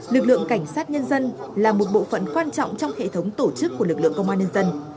lực lượng cảnh sát nhân dân là một bộ phận quan trọng trong hệ thống tổ chức của lực lượng công an nhân dân